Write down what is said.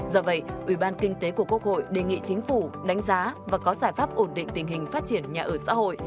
do vậy ủy ban kinh tế của quốc hội đề nghị chính phủ đánh giá và có giải pháp ổn định tình hình phát triển nhà ở xã hội